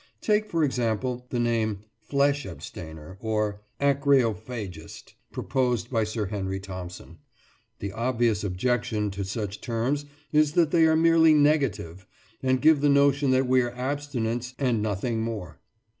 Take, for example, the name "flesh abstainer," or "akreophagist," proposed by Sir Henry Thompson. The obvious objection to such terms is that they are merely negative, and give the notion that we are abstinents and nothing more.